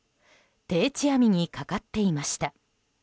定置網にかかっていました。